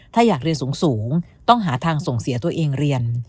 ถ้าอยากเรียนสูงต้องหาทางส่งเสียตัวเองเรียน